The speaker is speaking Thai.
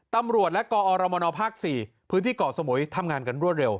ตำรวจและกอรมนภ๔พื้นที่เกาะสมุยทำงานกันรวดเร็